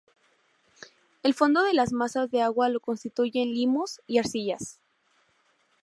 El fondo de las masas de agua lo constituyen limos y arcillas.